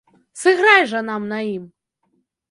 Сыграй жа нам на ім!